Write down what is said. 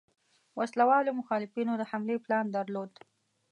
وسله والو مخالفینو د حملې پلان درلود.